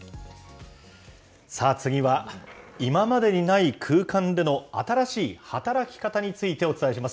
次は、今までにない空間での新しい働き方についてお伝えします。